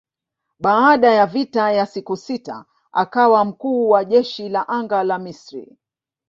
Baada ya vita ya siku sita akawa mkuu wa jeshi la anga la Misri.